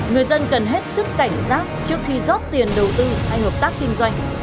người dân cần hết sức cảnh giác trước khi rót tiền đầu tư hay hợp tác kinh doanh